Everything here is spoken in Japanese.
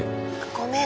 ごめん。